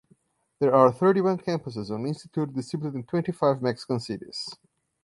There are thirty-one campuses of the Institute distributed in twenty-five Mexican cities.